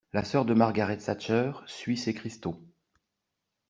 La sœur de Margaret Thatcher suit ces cristaux.